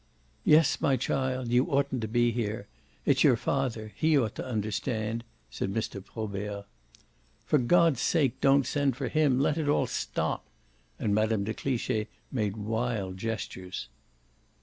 "Yes, my child you oughtn't to be here. It's your father he ought to understand," said Mr. Probert. "For God's sake don't send for him let it all stop!" And Mme. de Cliche made wild gestures.